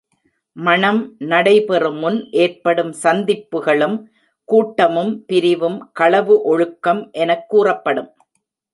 மணம் நடைபெறுமுன் ஏற்படும் சந்திப்புகளும், கூட்டமும், பிரிவும் களவு ஒழுக்கம் எனக் கூறப்படும்.